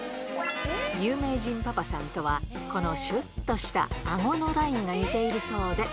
有名人パパさんとは、このしゅっとしたあごのラインが似ているそうで。